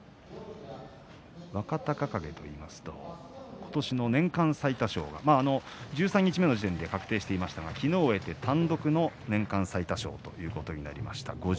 若隆景といいますと今年の年間最多勝十三日目の時点で確定していましたが昨日終えて単独での年間最多勝となりました。